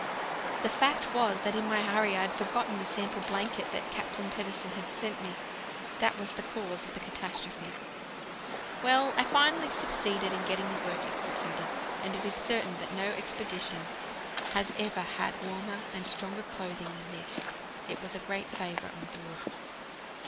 The fact was that in my hurry I had forgotten the sample blanket that Captain Pedersen had sent me. That was the cause of the catastrophe. Well, I finally succeeded in getting the work executed, and it is certain that no expedition has ever had warmer and stronger clothing than this. It was in great favour on board.